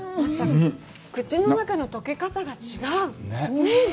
口の中の溶け方が違う。